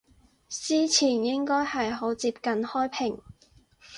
司前應該係好接近開平